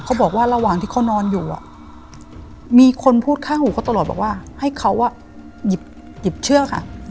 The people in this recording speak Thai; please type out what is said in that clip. เขาบอกว่าระหว่างที่เขานอนอยู่มีคนพูดข้างหูเขาตลอดบอกว่าให้เขาหยิบเชือกค่ะ